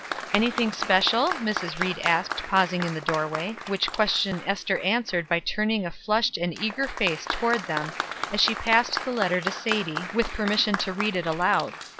"Anything special?" Mrs. Ried asked, pausing in the doorway, which question Ester answered by turning a flushed and eager face toward them, as she passed the letter to Sadie, with permission to read it aloud.